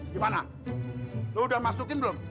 gimana lo udah masukin belum